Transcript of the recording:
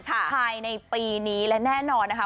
ภายในปีนี้และแน่นอนนะคะ